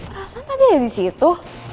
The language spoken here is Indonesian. rasanya tadi ada disitu